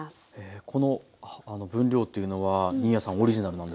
この分量っていうのは新谷さんオリジナルなんですか？